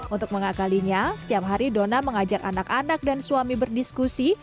untuk mengakalinya setiap hari dona mengajak anak anak dan suami berdiskusi